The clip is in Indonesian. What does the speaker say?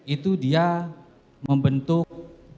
itu dia membentuk